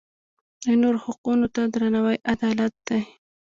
د نورو حقونو ته درناوی عدالت دی.